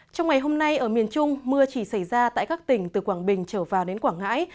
trong ngày hôm nay ở miền trung mưa chỉ xảy ra tại các tỉnh từ quảng bình trở vào đến quảng ngãi